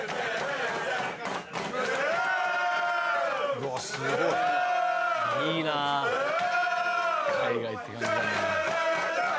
「うわっすごい！」「いいなー」「海外って感じだね」